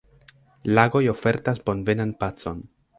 Lagoj ofertas bonvenan pacon.